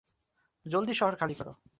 জলদি শহর খালি করো।